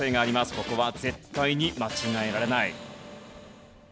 ここは絶対に間違えられない。